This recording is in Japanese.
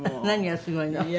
何がすごいの？